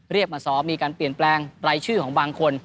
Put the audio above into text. มาซ้อมมีการเปลี่ยนแปลงรายชื่อของบางคน